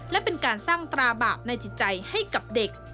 และเป็นการสร้างตราบาปในจิตใจให้กับเด็ก